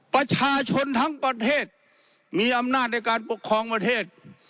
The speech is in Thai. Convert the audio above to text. ประชาชนทั้งประเทศมีอำนาจในการปกครองประเทศ